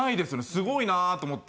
すごいなと思って。